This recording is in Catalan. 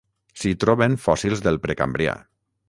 S'hi troben fòssils del Precambrià.